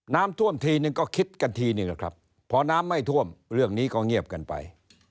น้ำท่วมทีนึงก็คิดกันทีนี่แหละครับพอน้ำไม่ท่วมเรื่องนี้ก็เงียบกันไป